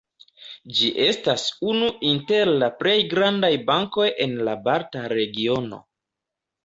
Ĝi estas unu inter la plej grandaj bankoj en la balta regiono.